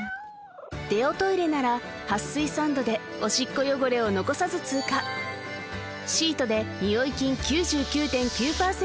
デオトイレなら撥水サンドでオシッコ汚れを残さず通過シートでニオイ菌９９．９％